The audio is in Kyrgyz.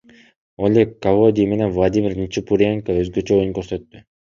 Олег Колодий менен Владимир Ничипуренко өзгөчө оюн көрсөттү.